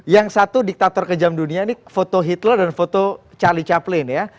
yang satu diktator kejam dunia ini foto hitle dan foto charlie chaplin ya